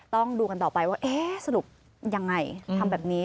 ต้องดูกันต่อไปว่าเอ๊ะสรุปยังไงทำแบบนี้